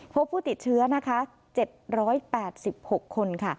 พบผู้ติดเชื้อ๗๘๖คน